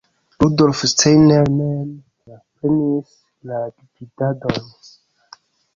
Rudolf Steiner mem transprenis la gvidadon.